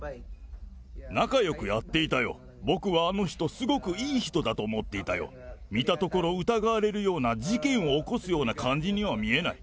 仲よくやっていたよ、僕はあの人すごくいい人だと思っていたよ、見たところ、疑われるような事件を起こすような感じには見えない。